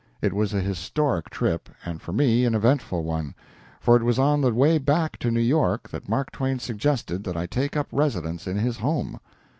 It was a historic trip, and for me an eventful one, for it was on the way back to New York that Mark Twain suggested that I take up residence in his home.